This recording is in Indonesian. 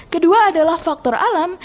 kedua adalah faktor alam